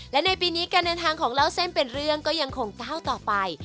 และในปีนี้การเดินทางของเล่าเส้นเป็นเรื่องก็ยังคงก้าวต่อไป